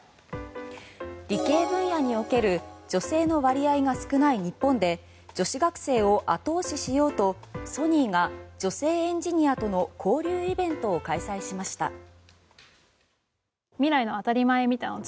理系分野における女性の割合が少ない日本で女子学生を後押ししようとソニーが女性エンジニアとの交流イベントを開催しました。